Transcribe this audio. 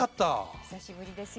お久しぶりですよね。